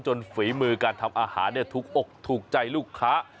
ฝีมือการทำอาหารถูกอกถูกใจลูกค้า